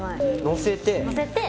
のせて。